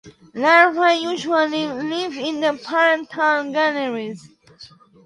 Larvae usually live in the parental galleries.